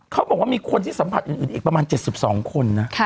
เขาบอกว่ามีคนที่สัมผัสอื่นอีกประมาณ๗๒คนนะ